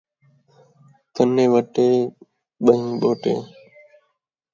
کنّیں وٹّے ، ٻان٘ہیں ٻوہٹے